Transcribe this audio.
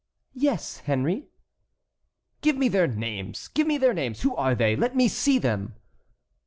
"Yes, Henry." "Give me their names! Give me their names! Who are they? Let me see them!"